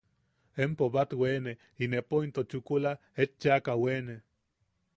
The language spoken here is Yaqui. Empo bat weene inepo into chukula et chaʼaka weene.